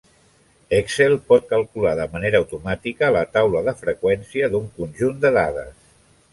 Excel pot calcular de manera automàtica la taula de freqüència d'un conjunt de dades.